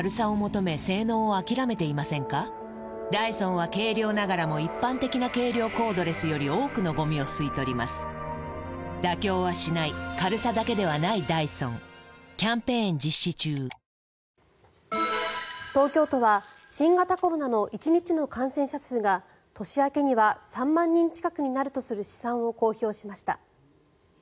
乳酸菌が一時的な胃の負担をやわらげる東京都は新型コロナの１日の感染者数が年明けには３万人近くになるとする試算を公表しました。